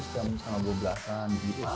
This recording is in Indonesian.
setengah dua belasan